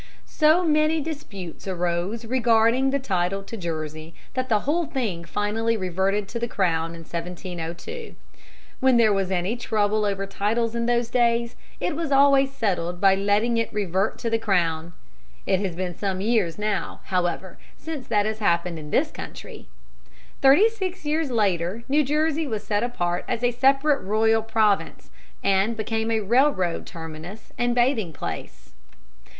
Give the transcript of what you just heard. So many disputes arose regarding the title to Jersey that the whole thing finally reverted to the crown in 1702. When there was any trouble over titles in those days it was always settled by letting it revert to the crown. It has been some years now, however, since that has happened in this country. Thirty six years later New Jersey was set apart as a separate royal province, and became a railroad terminus and bathing place.